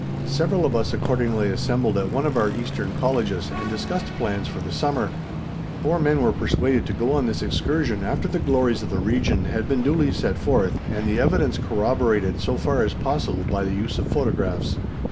Several of us accordingly assembled at one of our eastern colleges and discussed plans for the summer. Four men were persuaded to go on this excursion after the glories of the region had been duly set forth and the evidence corroborated so far as possible by the use of photographs.